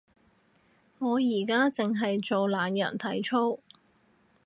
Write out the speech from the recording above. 我而家淨係做懶人體操